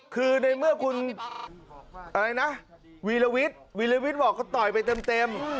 คือในเมื่อคุณอะไรนะวีรวิทย์วีรวิทย์บอกก็ต่อยไปเต็ม